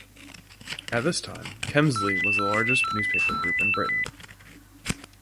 At this time, Kemsley was the largest newspaper group in Britain.